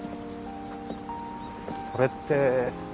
それって。